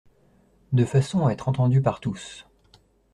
De façon à être entendu par tous.